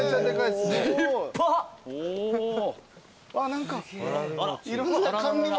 何かいろんな甘味も。